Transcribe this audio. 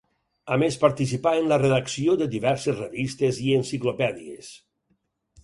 A més participà en la redacció de diverses revistes i enciclopèdies.